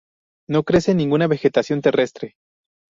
No crece ninguna vegetación terrestre.